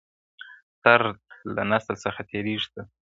• درد له نسل څخه تېرېږي تل..